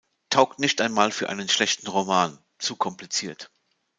Taugt nicht einmal für einen schlechten Roman… Zu kompliziert!